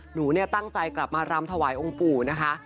หนูเนี่ยตั้งใจกลับมารำถวายองค์ปู่นะคะ